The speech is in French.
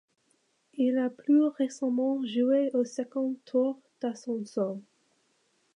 Il a plus récemment joué au second tour d'Ascenso.